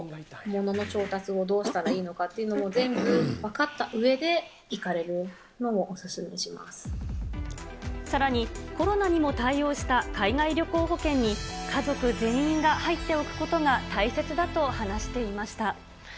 物の調達をどうしたらいいのかっていうのを全部分かったうえで、さらにコロナにも対応した海外旅行保険に、家族全員が入っておくことが大切だと話していました。